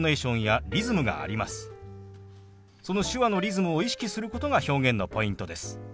その手話のリズムを意識することが表現のポイントです。